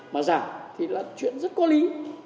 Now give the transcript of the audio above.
mà giảm thì là chuyện rất có lý